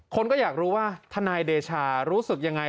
คนก็อยากรู้ว่าทนายเดชารู้สึกยังไง